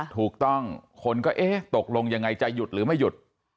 ถูกต้องคนก็เอ๊ะตกลงยังไงจะหยุดหรือไม่หยุด